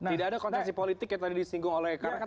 tidak ada kontaksi politik yang tadi disinggung oleh kkr kan